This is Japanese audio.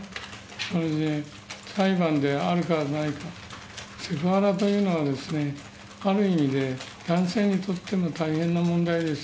なので、裁判であるかないか、セクハラというのはですね、ある意味で男性にとっても大変な問題です。